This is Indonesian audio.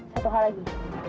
satu hal lagi